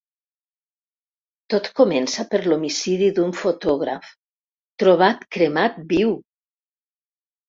Tot comença per l'homicidi d'un fotògraf, trobat cremat viu.